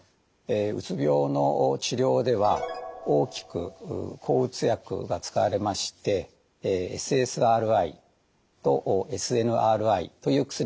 うつ病の治療では大きく抗うつ薬が使われましてＳＳＲＩとＳＮＲＩという薬がございます。